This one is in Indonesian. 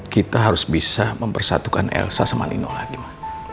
kita harus bisa mempersatukan elsa sama nino lagi